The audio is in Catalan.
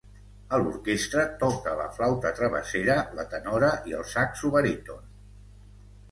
A l'orquestra toca la flauta travessera, la tenora i el saxo baríton.